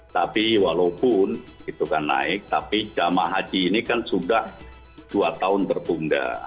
tapi walaupun itu kan naik tapi jamaah haji ini kan sudah dua tahun tertunda